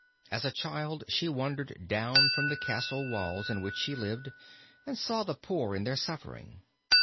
As a child she wandered down from the castle walls in which she lived and saw the poor in their suffering.